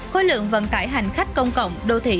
khối lượng vận tải hành khách công cộng đô thị